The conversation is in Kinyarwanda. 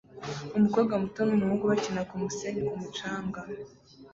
Umukobwa muto n'umuhungu bakina kumusenyi ku mucanga